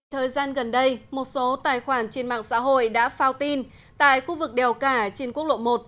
thời gian gần đây một số tài khoản trên mạng xã hội đã phao tin tại khu vực đèo cả trên quốc lộ một